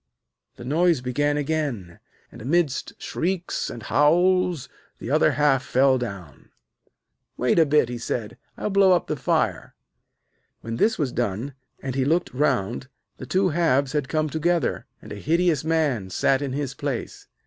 The noise began again, and, amidst shrieks and howls, the other half fell down. 'Wait a bit,' he said; 'I'll blow up the fire.' When this was done, and he looked round, the two halves had come together, and a hideous man sat in his place.